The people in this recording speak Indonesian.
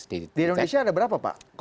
di indonesia ada berapa pak